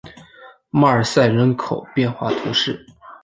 马尔赛人口变化图示